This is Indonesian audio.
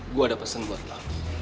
gua ada pesen buat lo